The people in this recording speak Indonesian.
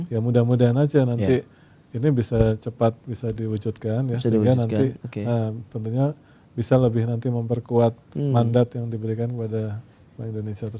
ya mudah mudahan aja nanti ini bisa cepat bisa diwujudkan ya sehingga nanti tentunya bisa lebih nanti memperkuat mandat yang diberikan kepada bank indonesia